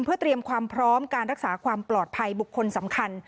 เพื่อเตรียมความพร้อมการรักษาความปลอดภัยบุคคลสำคัญ